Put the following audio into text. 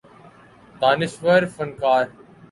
دانشور فنکار